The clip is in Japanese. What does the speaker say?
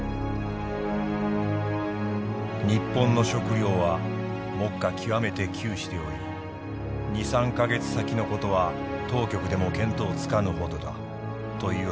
「日本の食糧は目下極めて窮しておりニ三ヶ月先のことは当局でも見当つかぬほどだという話出る。